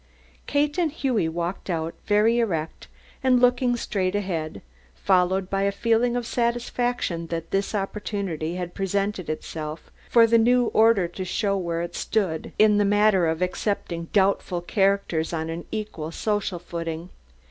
Kate and Hughie walked out, very erect and looking straight ahead, followed by a feeling of satisfaction that this opportunity had presented itself for the new order to show where it stood in the matter of accepting doubtful characters on an equal social footing.